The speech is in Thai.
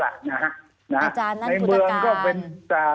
อาจารย์นั่นพุทธกาล